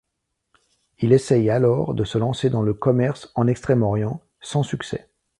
Il essaie alors de se lancer dans le commerce en Extrême-Orient, sans succès.